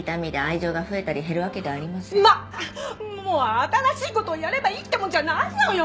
新しい事をやればいいってもんじゃないのよ！